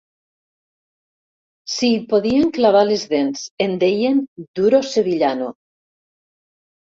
Si hi podien clavar les dents en deien duro sevillano.